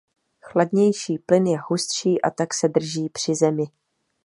Chladnější plyn je hustší a tak se drží při zemi.